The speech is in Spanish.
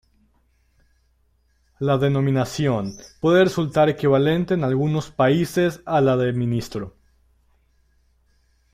La denominación puede resultar equivalente en algunos países a la de ministro.